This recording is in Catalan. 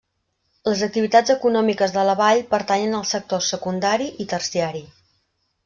Les activitats econòmiques de la vall pertanyen als sectors secundari i terciari.